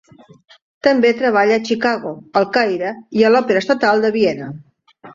També treballà a Chicago, El Caire i a l'Òpera Estatal de Viena.